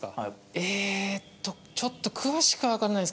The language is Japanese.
えーっとちょっと詳しくはわからないですけども。